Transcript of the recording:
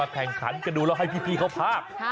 มาแข่งขันกระดูกเราให้พี่เขาพาก